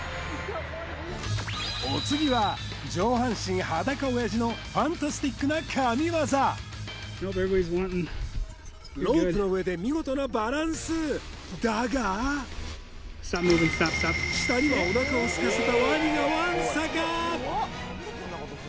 お次はのファンタスティックな神業ロープの上で見事なバランスだが下にはおなかをすかせたワニがわんさか！